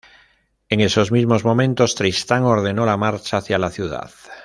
En esos mismos momentos, Tristán ordenó la marcha hacia la ciudad.